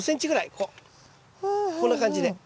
こんな感じで。